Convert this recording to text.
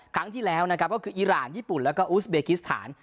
ครั้งที่แล้วนะครับก็คืออีรานญี่ปุ่นแล้วก็อูสเบกิสถาน